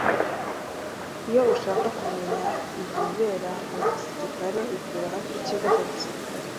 Iyo ushaka kumenya ibibera mu gisirikari utura hafi y’ikigo cya gisirikari